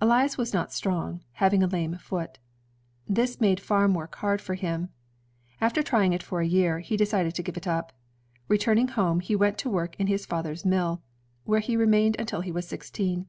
Elias was not strong, having a lame foot. This made farm work hard for him. After tr5dng it for a year, he decided to give it up. Re turning home he went to work in his father's mills, where he remained imtil he was sixteen.